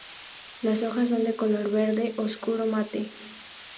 Las hojas son de color verde oscuro mate.